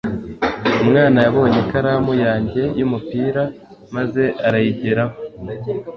umwana yabonye ikaramu yanjye y'umupira maze arayigeraho